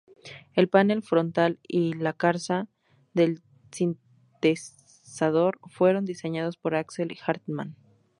El panel frontal y la carcasa del sintetizador fueron diseñados por Axel Hartmann.